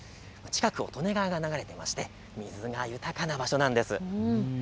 近くを利根川が流れていて水が豊かな場所なんです。